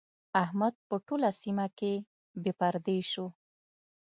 احمد په ټوله سيمه کې بې پردې شو.